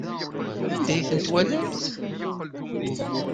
Anda ay ten-twalamt?